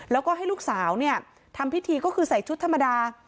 แล้วก็ให้ลูกสาวเนี่ยทำพิธีก็คือใส่ชุดธรรมดา